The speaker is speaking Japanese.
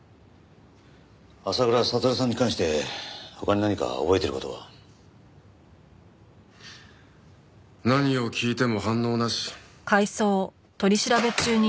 浅倉悟さんに関して他に何か覚えている事は？何を聞いても反応なし。